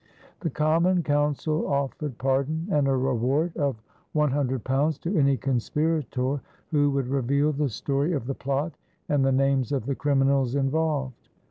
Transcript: The Common Council offered pardon and a reward of one hundred pounds to any conspirator who would reveal the story of the plot and the names of the criminals involved.